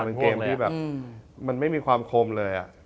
เป็นเกมที่แบบมันไม่มีความคมเลย